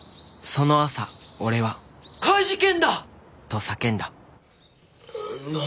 その朝おれは怪事件だ！！と叫んだな